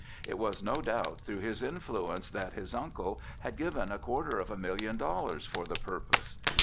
It was no doubt through his influence that his uncle had given a quarter of a million dollars for the purpose.